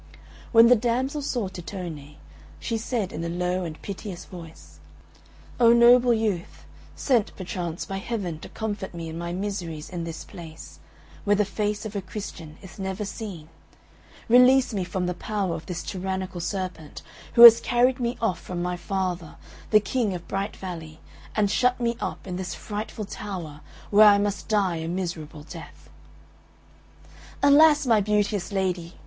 When the damsel saw Tittone, she said in a low and piteous voice, "O noble youth, sent perchance by heaven to comfort me in my miseries in this place, where the face of a Christian is never seen, release me from the power of this tyrannical serpent, who has carried me off from my father, the King of Bright Valley, and shut me up in this frightful tower, where I must die a miserable death." "Alas, my beauteous lady!"